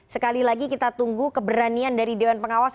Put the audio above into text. sekali lagi kita tunggu keberanian dari dewan pengawas